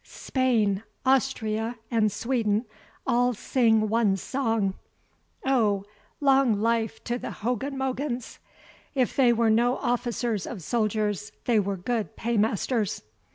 Spain, Austria, and Sweden, all sing one song. Oh! long life to the Hoganmogans! if they were no officers of soldiers, they were good paymasters.